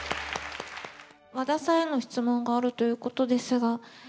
和田さんへの質問があるということですが。